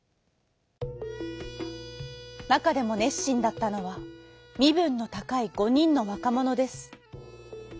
なかでもねっしんだったのはみぶんのたかい５にんのわかものです。